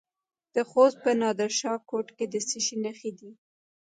د خوست په نادر شاه کوټ کې د څه شي نښې دي؟